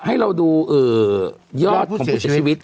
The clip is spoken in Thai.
ให้เราดูยอดของผู้เสียชีวิต